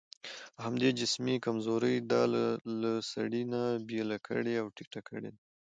او همدې جسمي کمزورۍ دا له سړي نه بېله کړې او ټيټه کړې ده.